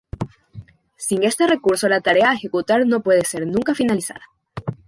Sin este recurso, la tarea a ejecutar no puede ser nunca finalizada.